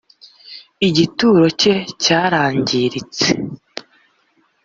igituro cye cyarangiritse.